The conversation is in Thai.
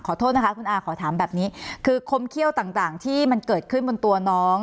โทษนะคะคุณอาขอถามแบบนี้คือคมเขี้ยวต่างที่มันเกิดขึ้นบนตัวน้อง